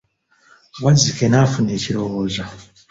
Wazzike n'afuna ekirowoozo.